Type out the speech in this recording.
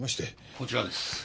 こちらです。